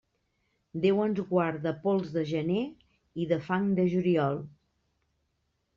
Déu ens guard de pols de gener i de fang de juliol.